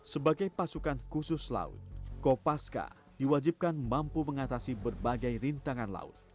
sebagai pasukan khusus laut kopaska diwajibkan mampu mengatasi berbagai rintangan laut